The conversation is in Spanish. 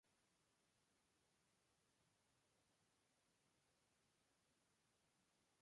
Esto continuó mientras se hacía mayor.